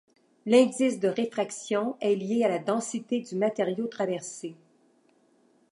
L'indice de réfraction est lié à la densité du matériau traversé.